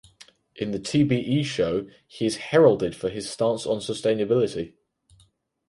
In tbe show he is heralded for his stance on sustainability.